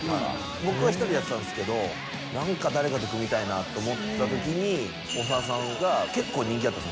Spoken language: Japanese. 僕は１人でやってたんですけど何か誰かと組みたいなと思ってた時に長田さんが結構人気あったんです